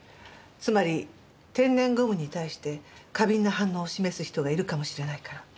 つまり天然ゴムに対して過敏な反応を示す人がいるかもしれないから。